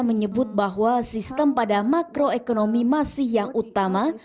menyebut bahwa sistem pada makroekonomi masih yang utama